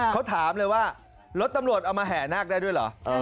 เขาถามเลยว่ารถตำรวจเอามาแห่นาคได้ด้วยเหรอ